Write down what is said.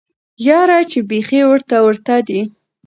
یاره چی بیخی ورته ورته دی